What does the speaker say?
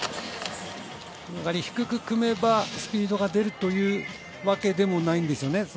低く組めばスピードが出るというわけでもないんです。